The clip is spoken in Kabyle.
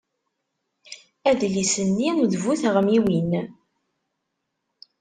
Adlis-nni d bu teɣmiwin.